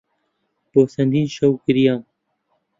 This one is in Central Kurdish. بۆ چەندین شەو گریام.